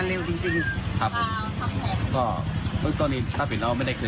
ก็ดีใจนะเพราะว่ากำหนุ่นทำงานเร็ว